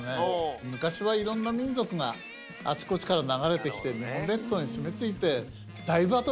昔はいろんな民族があちこちから流れてきて日本列島にすみついて大バトルやってたんですよ。